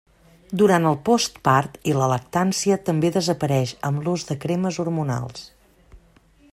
Durant el postpart i la lactància, també desapareix amb l'ús de cremes hormonals.